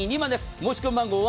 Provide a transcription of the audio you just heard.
申し込み番号は。